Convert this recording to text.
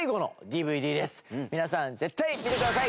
皆さん絶対見てください！